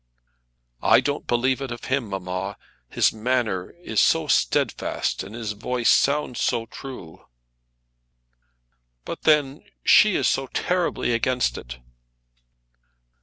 "I don't believe it of him, mamma; his manner is so steadfast, and his voice sounds so true." "But then she is so terribly against it."